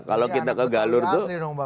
kalau kita ke galur tuh